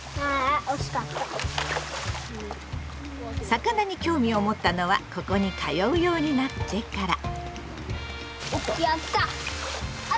魚に興味を持ったのはここに通うようになってから。